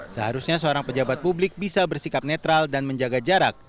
seharusnya seorang pejabat publik bisa bersikap netral dan menjaga jarak